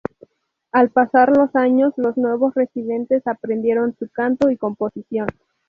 Al pasar los años los nuevos residentes aprendieron su canto y composición.